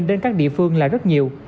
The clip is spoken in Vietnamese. đến các địa phương là rất nhiều